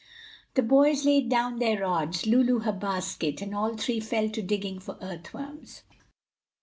The boys laid down their rods, Lulu her basket, and all three fell to digging for earth worms.